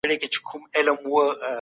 ښه پرېکړه بریا زېږوي.